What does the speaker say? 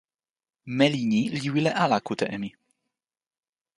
meli ni li wile ala kute e mi.